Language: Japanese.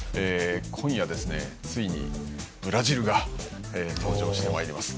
今夜、ついにブラジルが登場してまいります。